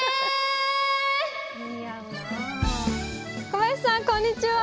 小林さんこんにちは。